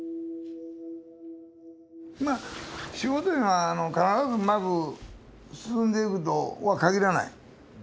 まあ仕事いうのは必ずうまく進んでいくとは限らない。